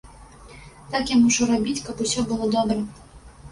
Так, я мушу рабіць, каб усё было добра.